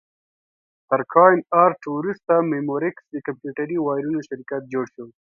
تر کاین ارټ وروسته مموریکس د کمپیوټري وایرونو شرکت جوړ شو.